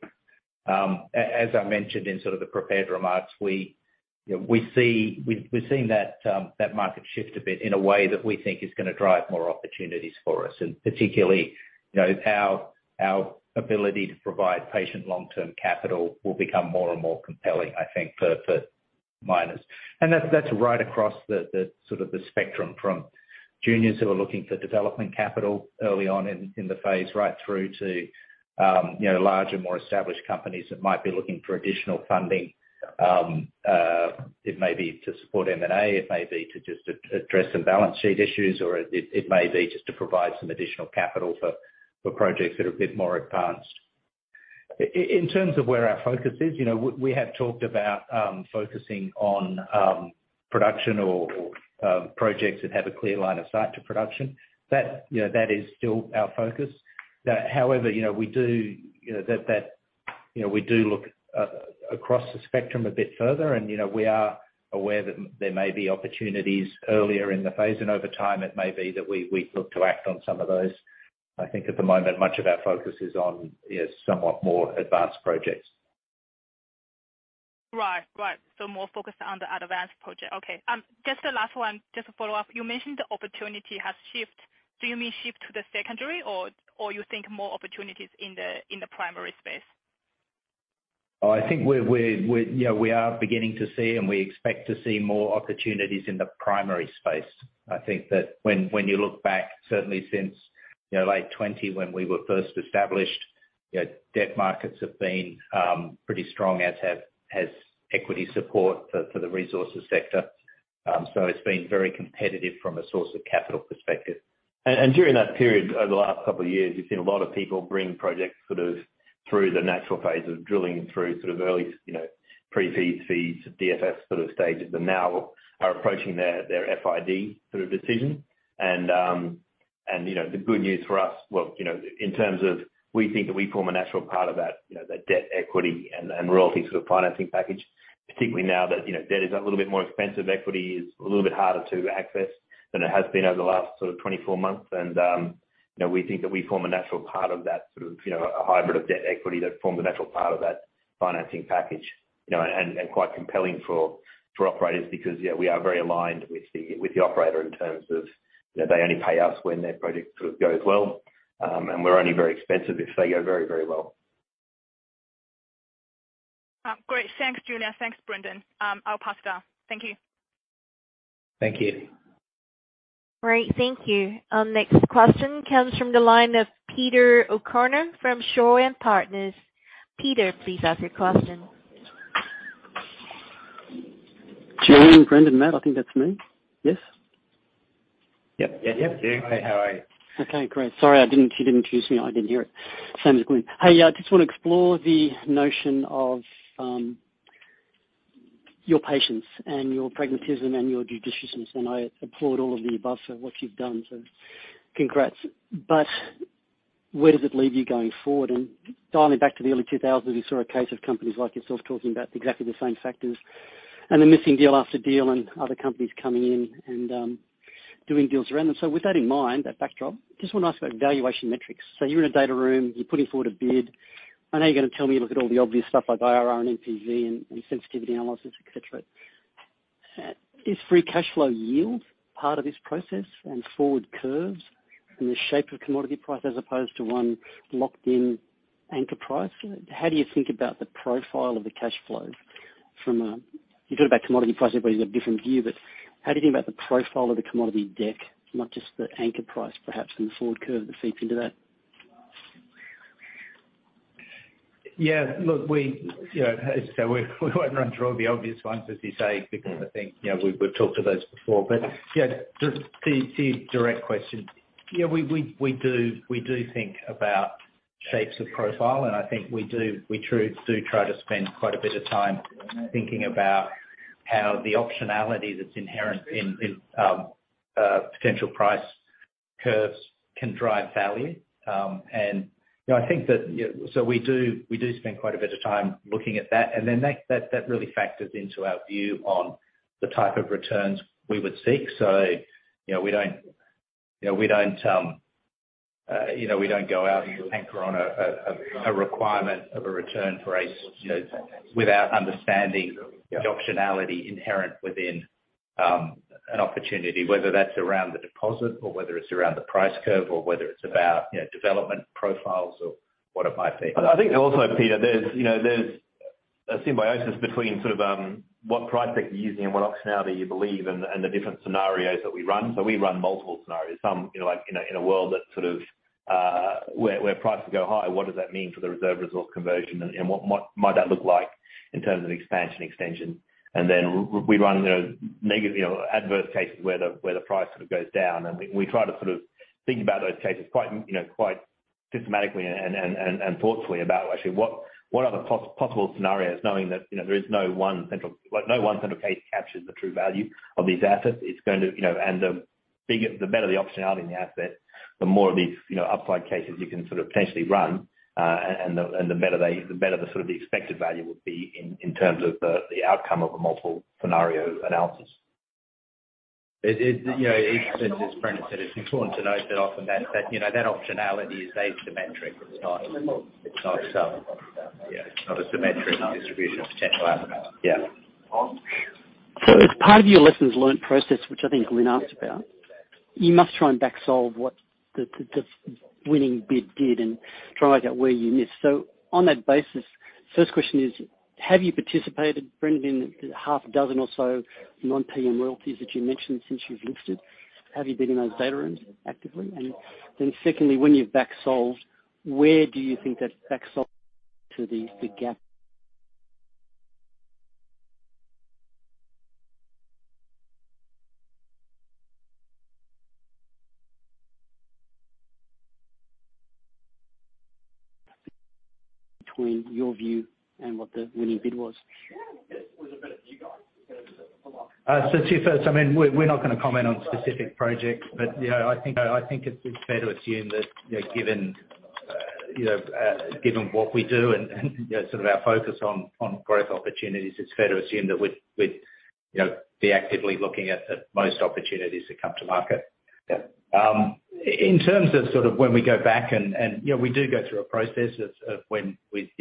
A: As I mentioned in sort of the prepared remarks, we, you know, we see. We're seeing that market shift a bit in a way that we think is gonna drive more opportunities for us, and particularly, you know, how our ability to provide patient long-term capital will become more and more compelling, I think for miners. That's right across the sort of the spectrum from juniors who are looking for development capital early on in the phase right through to, you know, larger, more established companies that might be looking for additional funding. It may be to support M&A, it may be to just address some balance sheet issues, or it may be just to provide some additional capital for projects that are a bit more advanced. In terms of where our focus is, you know, we have talked about focusing on production or projects that have a clear line of sight to production. That, you know, that is still our focus. However, you know, we do look across the spectrum a bit further. You know, we are aware that there may be opportunities earlier in the phase and over time it may be that we look to act on some of those. I think at the moment much of our focus is on, you know, somewhat more advanced projects.
G: Right. More focused on the advanced project. Okay. Just the last one, just to follow up. You mentioned the opportunity has shift. Do you mean shift to the secondary or you think more opportunities in the primary space?
A: I think you know we are beginning to see and we expect to see more opportunities in the primary space. I think that when you look back, certainly since you know late 2020 when we were first established, you know, debt markets have been pretty strong as has equity support for the resources sector. It's been very competitive from a source of capital perspective.
B: During that period, over the last couple of years, we've seen a lot of people bring projects sort of through the natural phase of drilling through sort of early, you know, pre-FS, FS, DFS sort of stages, and now are approaching their FID sort of decision. You know, the good news for us, well, you know, in terms of we think that we form a natural part of that, you know, that debt equity and royalty sort of financing package, particularly now that, you know, debt is a little bit more expensive, equity is a little bit harder to access than it has been over the last sort of 24 months. You know, we think that we form a natural part of that sort of, you know, a hybrid of debt equity that form a natural part of that financing package. You know, quite compelling for operators because, yeah, we are very aligned with the operator in terms of, you know, they only pay us when their project sort of goes well. We're only very expensive if they go very, very well.
G: Great. Thanks, Julian. Thanks, Brendan. I'll pass it on. Thank you.
A: Thank you.
C: Great. Thank you. Our next question comes from the line of Peter O'Connor from Shaw and Partners. Peter, please ask your question.
H: Julian, Brendan, Matt, I think that's me. Yes?
A: Yep.
B: Yeah.
A: Hi, how are you?
H: Okay, great. Sorry. You didn't introduce me. I didn't hear it. Same as Glyn. Hey, I just want to explore the notion of your patience and your pragmatism and your judiciousness, and I applaud all of the above, so what you've done. Congrats. Where does it leave you going forward? Dialing back to the early 2000s, you saw a case of companies like yourself talking about exactly the same factors and missing deal after deal and other companies coming in and doing deals around them. With that in mind, that backdrop, just wanna ask about valuation metrics. You're in a data room, you're putting forward a bid. I know you're gonna tell me you look at all the obvious stuff like IRR and NPV and sensitivity analysis, et cetera. Is free cash flow yield part of this process and forward curves and the shape of commodity price as opposed to one locked-in anchor price? How do you think about the profile of the cash flows. You talk about commodity price, everybody has a different view, but how do you think about the profile of the commodity deck, not just the anchor price, perhaps in the forward curve that feeds into that?
A: Yeah. Look, we, you know, so we won't run through all the obvious ones, as you say, because I think, you know, we've talked to those before. Yeah, the direct question. Yeah, we do think about shapes of profile, and I think we do try to spend quite a bit of time thinking about how the optionality that's inherent in potential price curves can drive value. You know, I think that, you know, we do spend quite a bit of time looking at that, and then that really factors into our view on the type of returns we would seek. You know, we don't go out and anchor on a requirement of a return for a you know, without understanding the optionality inherent within an opportunity, whether that's around the deposit or whether it's around the price curve or whether it's about you know, development profiles or what it might be.
B: I think also, Peter, there's a symbiosis between sort of what price that you're using and what optionality you believe and the different scenarios that we run. We run multiple scenarios. Some, you know, like in a world that sort of where prices go high, what does that mean for the reserve resource conversion and what might that look like in terms of expansion extension? We run those adverse cases where the price sort of goes down, and we try to sort of think about those cases quite systematically and thoughtfully about actually what are the possible scenarios, knowing that there is no one central, like, no one central case captures the true value of these assets. It's going to, you know, the bigger, the better the optionality in the asset, the more of these, you know, upside cases you can sort of potentially run, and the better they, the better the sort of expected value would be in terms of the outcome of a multiple scenario analysis.
A: It is, you know, as Brendan said, it's important to note that often, you know, that optionality is asymmetric. It's not a symmetric distribution of potential outcomes.
B: Yeah.
H: As part of your lessons learned process, which I think Glyn Lawcock asked about, you must try and back solve what the winning bid did and try and get where you missed. On that basis, first question is, have you participated, Brendan Ryan, in half a dozen or so non-paying royalties that you mentioned since you've listed? Have you been in those data rooms actively? And then secondly, when you've back solved, where do you think that back solved to the gap between your view and what the winning bid was?
B: Two firsts. I mean, we're not gonna comment on specific projects, but yeah, I think it's fair to assume that, you know, given what we do and you know, sort of our focus on growth opportunities, it's fair to assume that we've
A: You know, be actively looking at most opportunities that come to market.
B: Yeah.
A: In terms of sort of when we go back and, you know, we do go through a process of when we,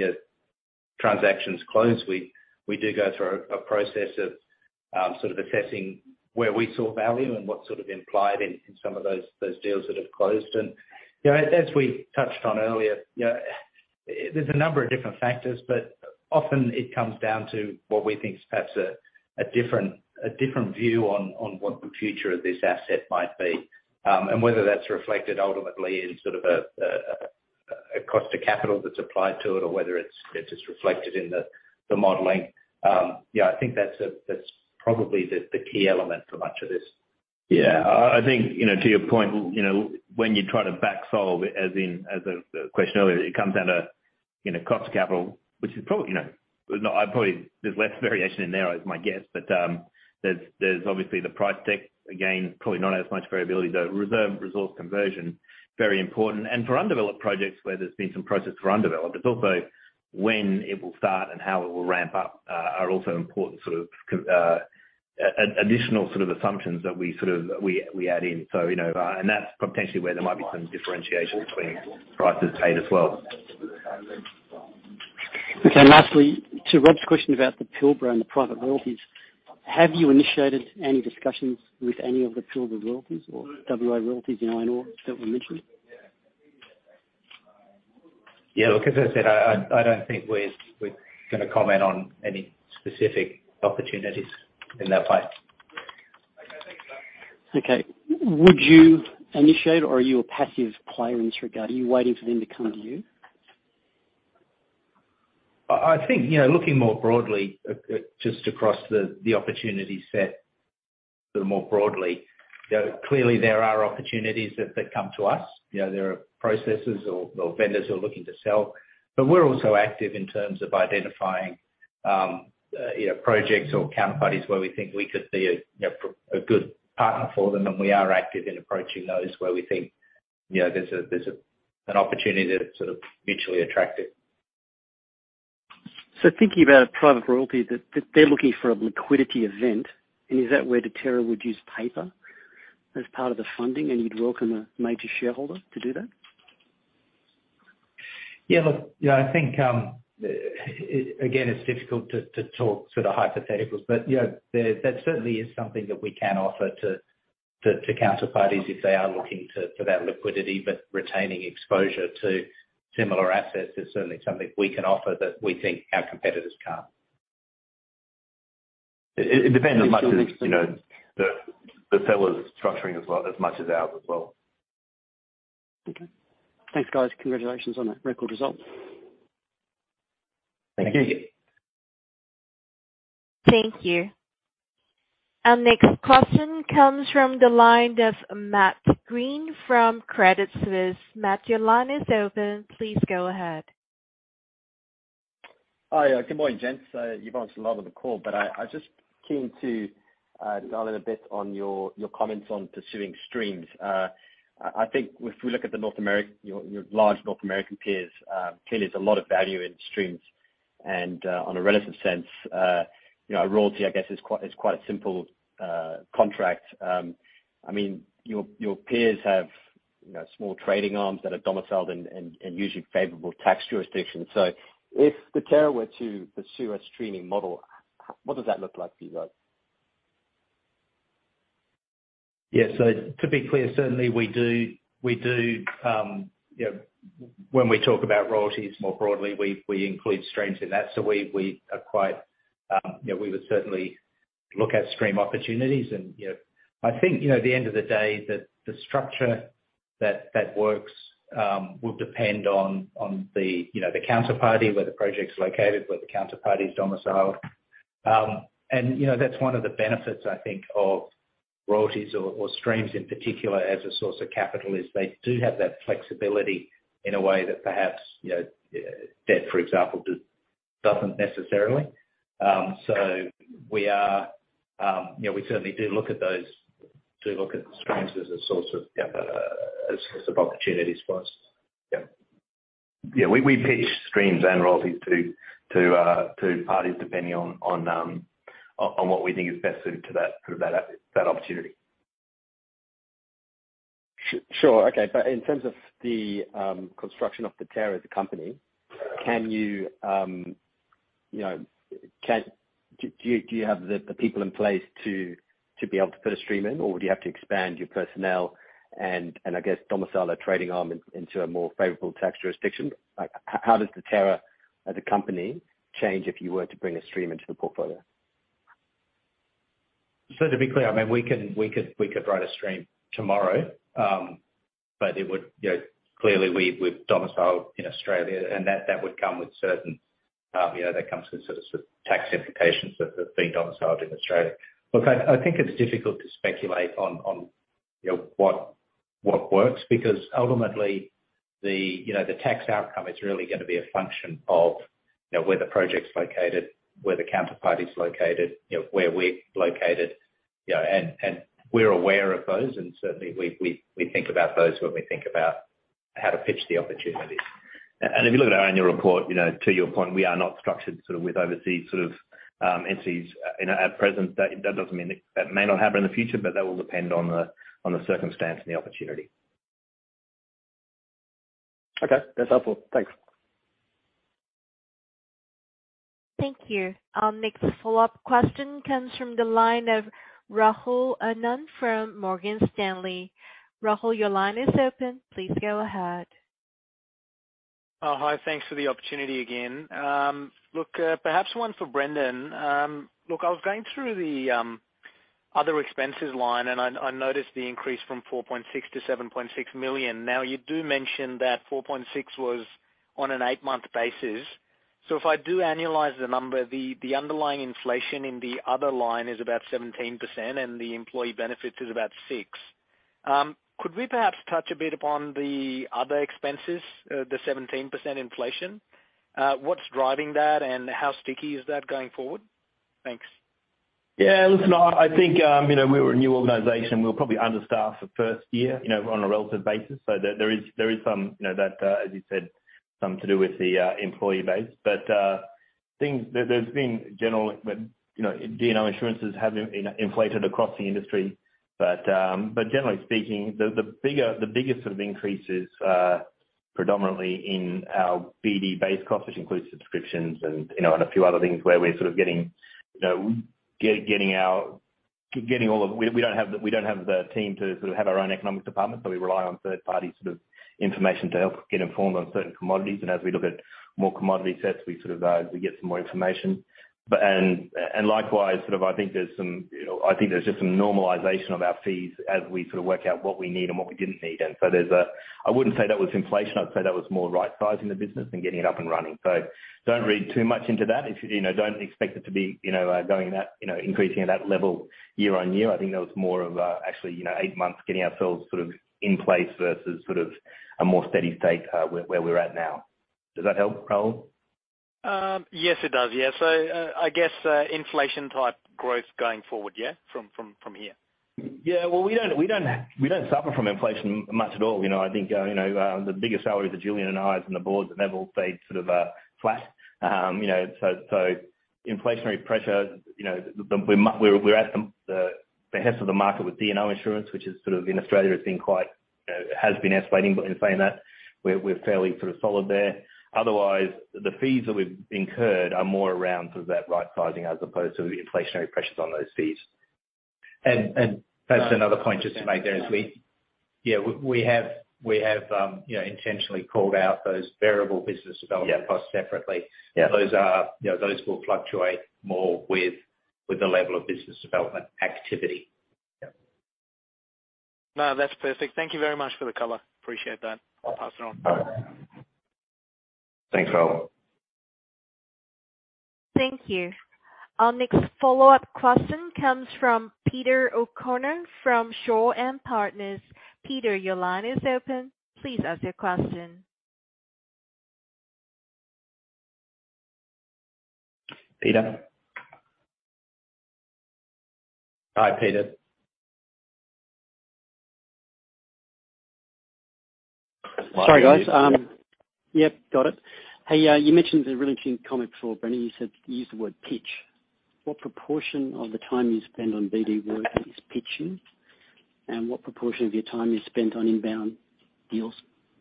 A: you know, transactions close. We do go through a process of sort of assessing where we saw value and what sort of implied in some of those deals that have closed. You know, as we touched on earlier, you know, there's a number of different factors, but often it comes down to what we think is perhaps a different view on what the future of this asset might be. Whether that's reflected ultimately in sort of a cost to capital that's applied to it or whether it's just reflected in the modeling. Yeah, I think that's probably the key element for much of this.
B: Yeah. I think, you know, to your point, you know, when you try to back solve as in the question earlier, it comes down to, you know, cost of capital, which is probably, you know. But no, I'd probably, there's less variation in there is my guess. But there's obviously the price deck, again, probably not as much variability, the reserve resource conversion, very important. For undeveloped projects where there's been some progress for undeveloped, it's also when it will start and how it will ramp up are also important sort of additional sort of assumptions that we sort of add in. You know, and that's potentially where there might be some differentiation between prices paid as well.
H: Okay. Lastly, to Rob's question about the Pilbara and the private royalties, have you initiated any discussions with any of the Pilbara royalties or WA royalties in iron ore that were mentioned?
A: Yeah. Look, as I said, I don't think we're gonna comment on any specific opportunities in that space.
H: Okay. Would you initiate or are you a passive player in this regard? Are you waiting for them to come to you?
A: I think, you know, looking more broadly, just across the opportunity set sort of more broadly, you know, clearly there are opportunities that come to us. You know, there are processes or vendors who are looking to sell. But we're also active in terms of identifying, you know, projects or counterparties where we think we could be a, you know, a good partner for them, and we are active in approaching those where we think, you know, there's an opportunity that's sort of mutually attractive.
H: Thinking about a private royalty, they're looking for a liquidity event, and is that where Deterra would use paper as part of the funding, and you'd welcome a major shareholder to do that?
A: Yeah. Look, you know, I think again, it's difficult to talk sort of hypotheticals, but, you know, that certainly is something that we can offer to counterparties if they are looking to that liquidity, but retaining exposure to similar assets is certainly something we can offer that we think our competitors can't.
B: It depends how much is, you know, the seller's structuring as well, as much as ours as well.
H: Okay. Thanks, guys. Congratulations on that record result.
A: Thank you.
B: Thank you.
C: Thank you. Our next question comes from the line of Matthew Green from Credit Suisse. Matt, your line is open. Please go ahead.
I: Hi. Good morning, gents. You've answered a lot of the call, but I just keen to dial in a bit on your comments on pursuing streams. I think if we look at your large North American peers, clearly there's a lot of value in streams. On a relative sense, you know, a royalty, I guess, is quite a simple contract. I mean, your peers have, you know, small trading arms that are domiciled in usually favorable tax jurisdictions. If Deterra were to pursue a streaming model, what does that look like for you guys?
A: Yeah. To be clear, certainly we do, you know, when we talk about royalties more broadly, we include streams in that. We are quite, you know, we would certainly look at stream opportunities and, you know. I think, you know, at the end of the day, the structure that works will depend on the, you know, the counterparty, where the project's located, where the counterparty's domiciled. You know, that's one of the benefits I think of royalties or streams in particular as a source of capital is they do have that flexibility in a way that perhaps, you know, debt, for example, doesn't necessarily. We are, you know, we certainly do look at those, do look at streams as a source of, yeah, as opportunities for us. Yeah.
B: Yeah, we pitch streams and royalties to parties depending on what we think is best suited to that sort of opportunity.
I: Sure. Okay. In terms of the construction of Deterra as a company, do you have the people in place to be able to put a stream in, or would you have to expand your personnel and I guess domicile a trading arm into a more favorable tax jurisdiction? Like, how does Deterra as a company change if you were to bring a stream into the portfolio?
A: To be clear, we could write a stream tomorrow. It would, you know, clearly we're domiciled in Australia, and that would come with certain, you know, that comes with certain tax implications of being domiciled in Australia. Look, I think it's difficult to speculate on, you know, what works, because ultimately, you know, the tax outcome is really gonna be a function of, you know, where the project's located, where the counterparty's located, you know, where we're located, you know. We're aware of those, and certainly we think about those when we think about how to pitch the opportunity.
B: If you look at our annual report, you know, to your point, we are not structured sort of with overseas sort of entities, you know, at present. That doesn't mean. That may not happen in the future, but that will depend on the circumstance and the opportunity.
A: Okay. That's helpful. Thanks.
C: Thank you. Our next follow-up question comes from the line of Rahul Anand from Morgan Stanley. Rahul, your line is open. Please go ahead.
D: Thanks for the opportunity again. Perhaps one for Brendan. I was going through the other expenses line, and I noticed the increase from 4.6 million to 7.6 million. Now, you do mention that 4.6 was on an eight-month basis. If I do annualize the number, the underlying inflation in the other line is about 17% and the employee benefits is about 6%. Could we perhaps touch a bit upon the other expenses, the 17% inflation? What's driving that, and how sticky is that going forward? Thanks.
B: Yeah. Listen, I think you know we're a new organization. We were probably understaffed the first year, you know, on a relative basis. There is some you know as you said some to do with the employee base. D&O insurances have inflated across the industry. Generally speaking, the biggest sort of increases are predominantly in our BD base cost, which includes subscriptions and you know and a few other things where we're sort of getting you know getting all of. We don't have the team to sort of have our own economic department, so we rely on third-party sort of information to help get informed on certain commodities. As we look at more commodity sets, we sort of get some more information. Likewise, I think there's just some normalization of our FS as we sort of work out what we need and what we didn't need. I wouldn't say that was inflation. I'd say that was more right-sizing the business and getting it up and running. Don't read too much into that. You know, don't expect it to be, you know, going that, you know, increasing at that level year on year. I think that was more of an actual, you know, eight months getting ourselves sort of in place versus sort of a more steady state, where we're at now. Does that help, Rahul?
D: Yes, it does. Yeah. I guess inflation type growth going forward, yeah, from here?
B: Well, we don't suffer from inflation much at all. You know, I think, you know, the biggest salary is Julian and I's and the board's, and they've all stayed sort of flat. You know, so inflationary pressure, you know, we're at the head of the market with D&O insurance, which, sort of in Australia, has been quite, you know, has been escalating. In saying that, we're fairly sort of solid there. Otherwise, the fees that we've incurred are more around sort of that right-sizing as opposed to the inflationary pressures on those fees.
A: That's another point just to make there, is we Yeah, we have, you know, intentionally called out those variable business development-
B: Yeah.
A: costs separately.
B: Yeah.
A: Those are, you know, those will fluctuate more with the level of business development activity.
B: Yeah.
D: No, that's perfect. Thank you very much for the color. Appreciate that. I'll pass it on.
B: Thanks, Rahul.
C: Thank you. Our next follow-up question comes from Peter O'Connor from Shaw and Partners. Peter, your line is open. Please ask your question.
B: Peter? Hi, Peter.
D: Sorry, guys. Yeah, got it. Hey, you mentioned a really key comment before, Brendan. You said, you used the word pitch. What proportion of the time you spend on BD work is pitching? What proportion of your time is spent on inbound deals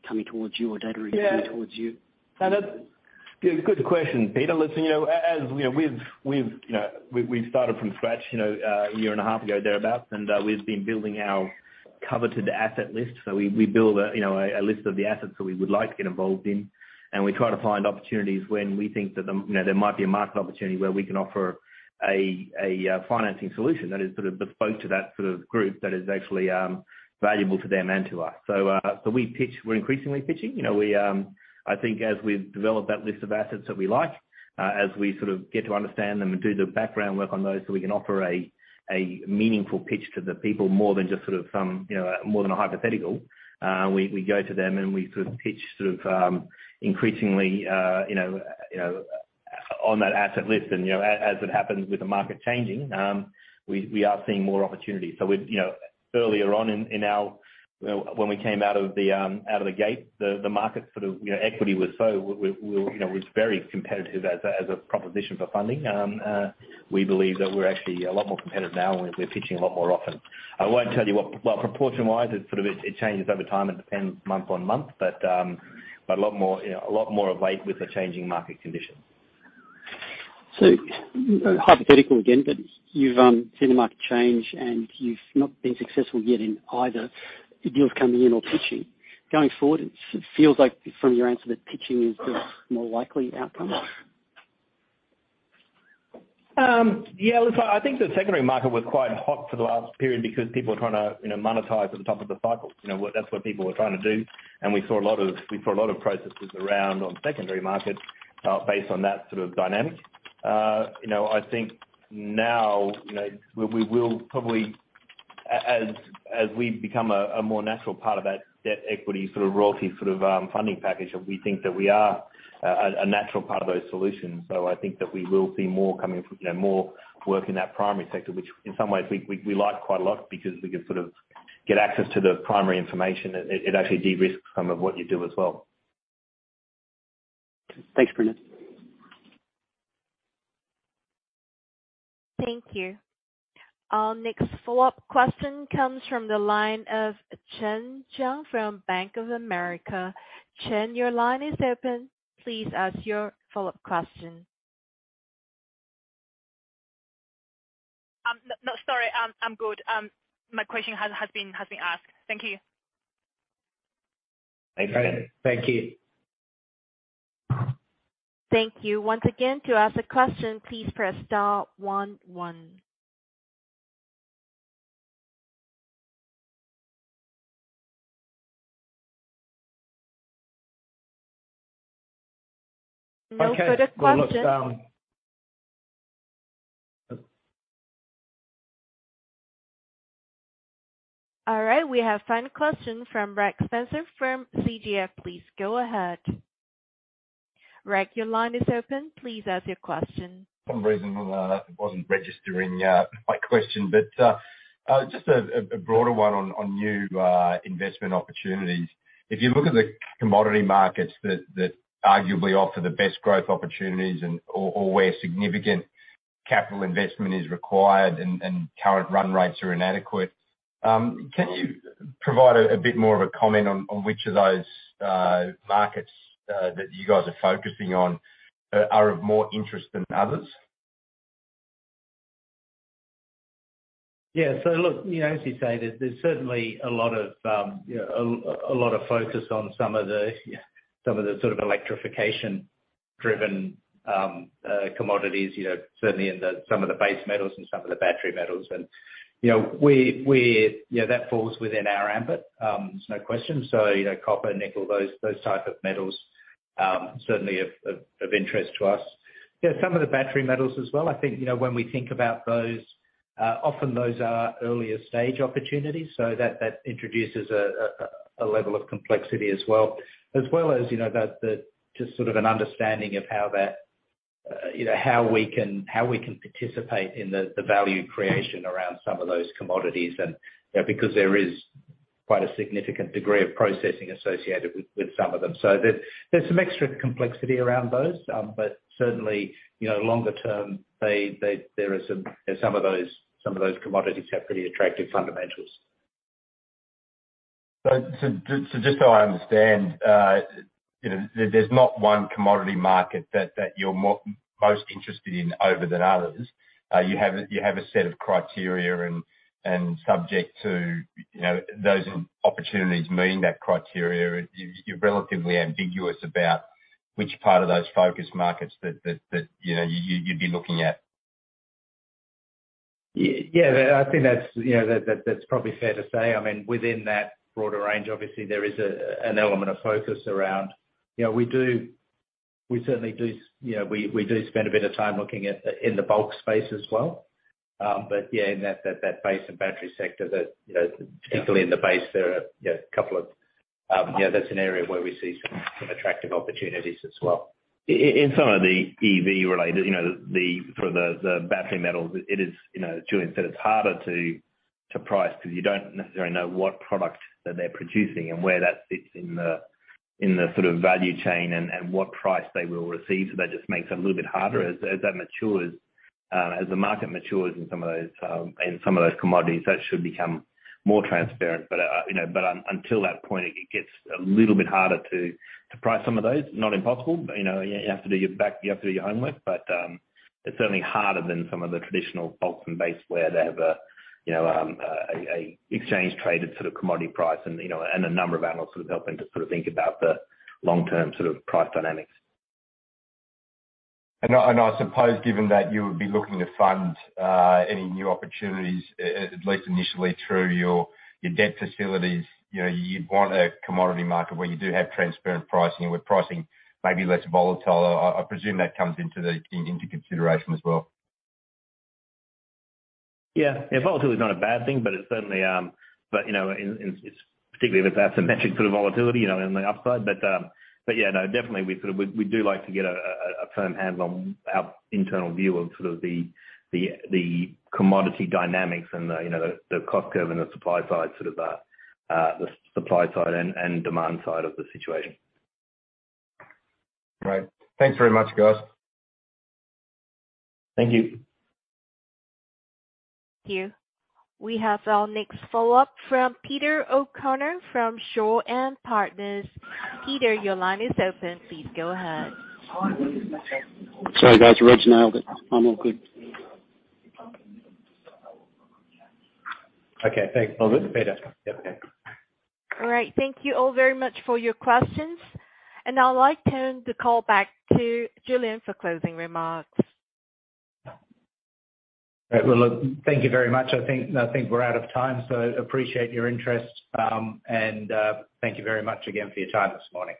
D: coming towards you or data-
B: Yeah.
D: coming towards you?
B: No, that's a good question, Peter. Listen, you know, as we know, we've started from scratch, you know, a year and a half ago thereabout, and we've been building our coveted asset list. We build a list of the assets that we would like to get involved in, and we try to find opportunities when we think that there might be a market opportunity where we can offer a financing solution that is sort of bespoke to that sort of group that is actually valuable to them and to us. We pitch. We're increasingly pitching. You know, I think as we've developed that list of assets that we like, as we sort of get to understand them and do the background work on those, so we can offer a meaningful pitch to the people more than just sort of, you know, more than a hypothetical, we go to them and we sort of pitch sort of increasingly, you know, on that asset list. You know, as it happens with the market changing, we are seeing more opportunities. We've, you know, earlier on in our, you know, when we came out of the gate, the market sort of, you know, equity was so. We, you know, was very competitive as a proposition for funding. We believe that we're actually a lot more competitive now. We're pitching a lot more often. I won't tell you what. Well, proportion wise, it sort of changes over time. It depends month on month. A lot more, you know, a lot more of late with the changing market conditions.
D: Hypothetical again, but you've seen the market change, and you've not been successful yet in either deals coming in or pitching. Going forward, it feels like from your answer that pitching is the more likely outcome.
B: Yeah, listen, I think the secondary market was quite hot for the last period because people were trying to, you know, monetize at the top of the cycle. You know, what, that's what people were trying to do, and we saw a lot of processes around on secondary markets based on that sort of dynamic. You know, I think now, you know, we will probably as we become a more natural part of that debt equity sort of royalty funding package, and we think that we are a natural part of those solutions. I think that we will see more coming, you know, more work in that primary sector, which in some ways we like quite a lot because we can sort of get access to the primary information. It actually de-risks some of what you do as well.
A: Thanks, Brendan.
C: Thank you. Our next follow-up question comes from the line of Chen Jiang from Bank of America. Chen, your line is open. Please ask your follow-up question.
G: No, no, sorry. I'm good. My question has been asked. Thank you.
C: Thanks. Great. Thank you. Thank you. Once again, to ask a question, please press star one one. No further questions.
A: Okay. Well, look,
C: All right, we have final question from Reg Spencer from Canaccord Genuity. Please go ahead. Reg, your line is open. Please ask your question.
J: For some reason, it wasn't registering my question, but just a broader one on new investment opportunities. If you look at the commodity markets that arguably offer the best growth opportunities and/or where significant capital investment is required and current run rates are inadequate, can you provide a bit more of a comment on which of those markets that you guys are focusing on are of more interest than others?
A: Yeah. Look, you know, as you say, there's certainly a lot of focus on some of the sort of electrification-driven commodities, you know, certainly in some of the base metals and some of the battery metals. Yeah, that falls within our ambit, there's no question. You know, copper, nickel, those type of metals certainly of interest to us. Yeah, some of the battery metals as well, I think, you know, when we think about those, often those are earlier stage opportunities, so that introduces a level of complexity as well. As well as, you know, the just sort of an understanding of how that, you know, how we can participate in the value creation around some of those commodities. You know, because there is quite a significant degree of processing associated with some of them. There's some extra complexity around those. Certainly, you know, longer term, they there are some, you know, some of those commodities have pretty attractive fundamentals.
J: Just so I understand, you know, there's not one commodity market that you're most interested in more than others. You have a set of criteria and subject to, you know, those opportunities meeting that criteria. You're relatively ambiguous about which part of those focus markets that, you know, you'd be looking at.
A: Yeah. I think that's, you know, that's probably fair to say. I mean, within that broader range, obviously there is an element of focus around. You know, we certainly spend a bit of time looking at in the bulk space as well. Yeah, in that base and battery sector, you know, particularly in the base, there are, you know, a couple of yeah, that's an area where we see some attractive opportunities as well.
J: In some of the EV related, you know, the sort of battery metals, it is, you know, as Julian said, it's harder to price because you don't necessarily know what product that they're producing and where that fits in the sort of value chain and what price they will receive. That just makes it a little bit harder. As that matures, as the market matures in some of those commodities, that should become more transparent. Until that point, it gets a little bit harder to price some of those. Not impossible, but, you know, you have to do your homework. It's certainly harder than some of the traditional bulk and base where they have a you know a exchange traded sort of commodity price and you know and a number of analysts sort of helping to sort of think about the long-term sort of price dynamics. I suppose given that you would be looking to fund any new opportunities at least initially through your debt facilities you know you'd want a commodity market where you do have transparent pricing and where pricing may be less volatile. I presume that comes into the consideration as well.
A: Yeah. Yeah, volatility is not a bad thing, but it certainly, you know, it's particularly if it's a symmetric sort of volatility, you know, in the upside. Yeah, no, definitely we sort of do like to get a firm handle on our internal view of sort of the commodity dynamics and, you know, the cost curve and the supply side sort of the supply side and demand side of the situation.
J: Right. Thanks very much, guys.
A: Thank you.
C: Thank you. We have our next follow-up from Peter O'Connor from Shaw and Partners. Peter, your line is open. Please go ahead.
H: Sorry, guys. Original, but I'm all good.
A: Okay, thanks.
K: All good? Peter. Yep. Okay.
C: All right. Thank you all very much for your questions. I'd like to turn the call back to Julian for closing remarks.
A: All right. Well, look, thank you very much. I think we're out of time, so appreciate your interest. Thank you very much again for your time this morning.